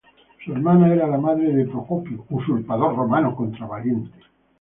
Su hermana era la madre de Procopio, usurpador romano contra Valente.